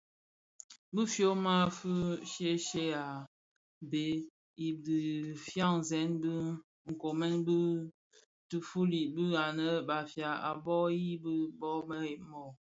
Bi fyoma fi shye shye a bhee i dhifyanzèn a be nkoomèn i ti fuli yi nnë Bafia bō fuyi, bo dhi beyen ooo?